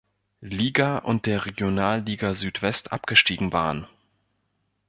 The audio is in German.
Liga und der Regionalliga Südwest abgestiegen waren.